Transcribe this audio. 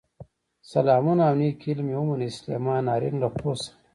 سلامونه او نیکې هیلې مې ومنئ، سليمان آرین له خوست څخه